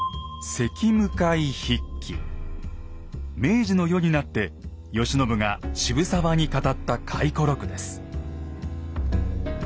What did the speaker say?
明治の世になって慶喜が渋沢に語った回顧録です。